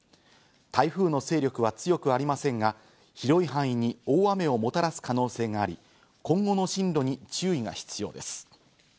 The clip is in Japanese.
台風の勢力は強くありませんが、広い範囲に大雨をもたらす可能性があり、今後の進路に注意が必要です。